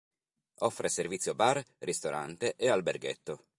Offre servizio bar, ristorante e alberghetto.